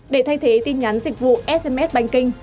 để thay thế tin nhắn dịch vụ sms banh kinh